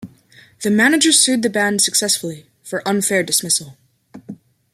The manager sued the band successfully, for unfair dismissal.